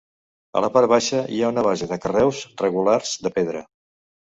A la part baixa hi ha una base de carreus regulars de pedra.